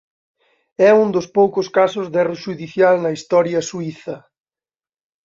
É un dos poucos casos de erro xudicial na historia suíza.